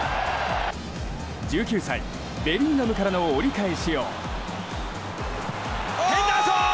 １９歳ベリンガムからの折り返しを。